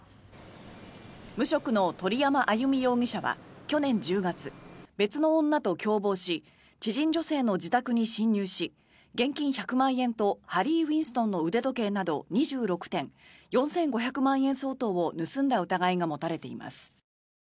無職の鳥山あゆみ容疑者は去年１０月別の女と共謀し知人女性の自宅に侵入し現金１００万円とハリー・ウィンストンの腕時計など２６点４５００万円相当を盗んだ疑いが持たれています。